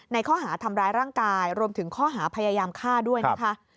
ข้อหาทำร้ายร่างกายรวมถึงข้อหาพยายามฆ่าด้วยนะคะ